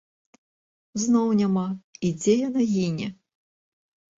Зноў няма, і дзе яна гіне!